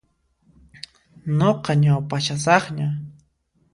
Nuqa ñaupashasaqña.